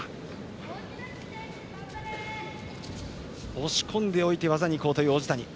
押し込んでおいて技に行こうとする王子谷。